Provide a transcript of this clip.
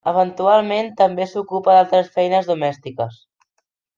Eventualment, també s'ocupa d'altres feines domèstiques.